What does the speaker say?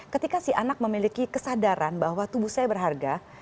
ketika si anak memiliki kesadaran bahwa tubuh saya berharga